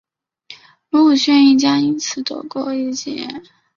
卢武铉一家因此躲过一劫。